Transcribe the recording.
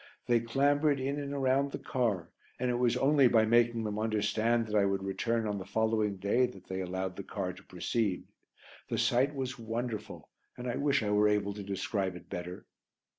They clambered in and around the car, and it was only by making them understand that I would return on the following day that they allowed the car to proceed. The sight was wonderful and I wish I were able to describe it better.